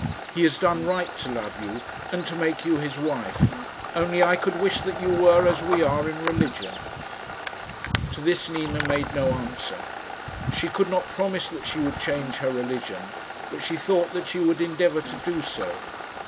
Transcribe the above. He has done right to love you, and to make you his wife; only, I could wish that you were as we are in religion." To this Nina made no answer. She could not promise that she would change her religion, but she thought that she would endeavour to do so.